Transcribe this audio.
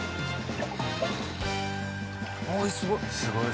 あっすごい。